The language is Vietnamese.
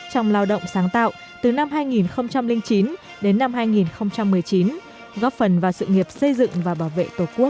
trong lao động sáng tạo từ năm hai nghìn chín đến năm hai nghìn một mươi chín góp phần vào sự nghiệp xây dựng và bảo vệ tổ quốc